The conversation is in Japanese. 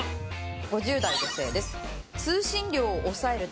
５０代女性です。